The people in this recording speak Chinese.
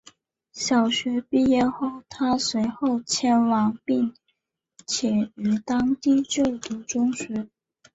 小学毕业后她随后迁往并且于当地就读中学。